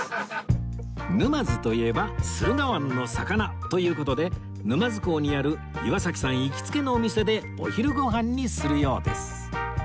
沼津といえば駿河湾の魚！という事で沼津港にある岩崎さん行きつけのお店でお昼ご飯にするようです